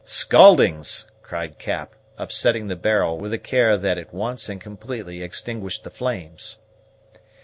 "Scaldings!" cried Cap, upsetting the barrel, with a care that at once and completely extinguished the flames.